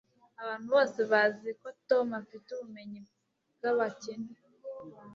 abantu bose bazi ko tom afite ubumenyi bwabakene